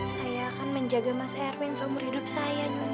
saya akan menjaga mas erwin selama hidup saya nyonya